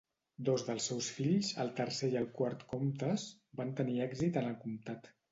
Dos dels seus fills, el tercer i el quart comtes, van tenir èxit en el comtat.